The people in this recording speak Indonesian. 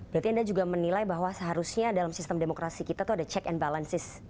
berarti anda juga menilai bahwa seharusnya dalam sistem demokrasi kita itu ada check and balances